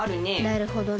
なるほどね。